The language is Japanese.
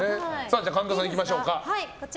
神田さん、いきましょうか。